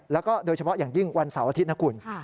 แล้วก็โดยเฉพาะอย่างยิ่งวันเสาร์อาทิตย์นะคุณ